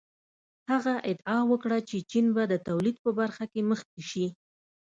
هغه ادعا وکړه چې چین به د تولید په برخه کې مخکې شي.